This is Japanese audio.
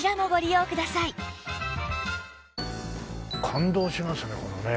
感動しますね。